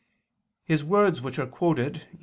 His words which are quoted (XVI, qu.